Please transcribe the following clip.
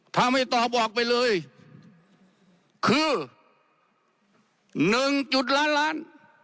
ถ้าไม่ตอบบอกไปเลยคือ๑จุดล้านล้าน